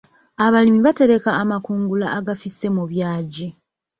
Abalimi batereka amakungula agafisse mu byagi.